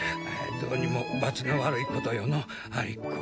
どうにもばつの悪いことよのう有子。